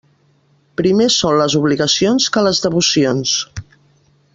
Primer són les obligacions que les devocions.